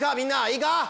いいか？